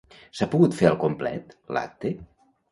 S'ha pogut fer al complet, l'acte?